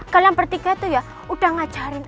kalian pertiga tuh ya udah ngajarin